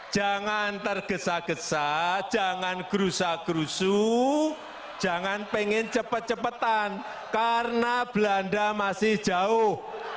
jangan tergesa gesa jangan gerusa gerusu jangan pengen cepet cepetan karena belanda masih jauh